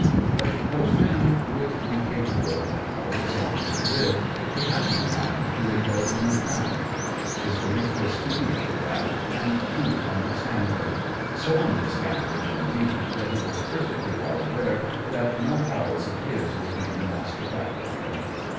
But, though Finn would be capable of the howl as long as he lived, he had no mind to indulge in it now. His grief was too deep for that and too understanding; so understanding, indeed, that he was perfectly well aware that no howls of his would bring the Master back to him.